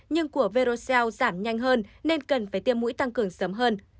nhưng của virusel giảm nhanh hơn nên cần phải tiêm mũi tăng cường sớm hơn